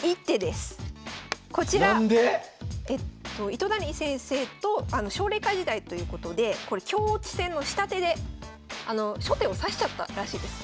糸谷先生とあの奨励会時代ということでこれ香落ち戦の下手で初手を指しちゃったらしいです。